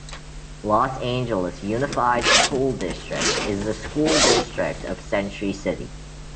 Los Angeles Unified School District is the school district of Century City.